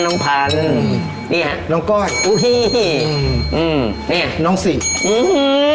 น้องพันอืมนี่ฮะน้องก้อยอุ้ยอืมอืมนี่น้องสี่อืมอืม